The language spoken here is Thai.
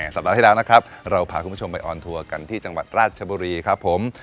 สัปดาห์ที่แล้วนะครับเราพาคุณผู้ชมไปออนทัวร์กันที่จังหวัดราชบุรีครับผม